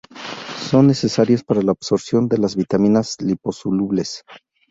Son necesarios para la absorción de las vitaminas liposolubles.